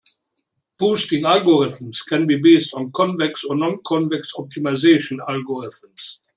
Boosting algorithms can be based on convex or non-convex optimization algorithms.